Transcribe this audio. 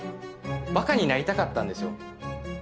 バカになりたかったんでしょ？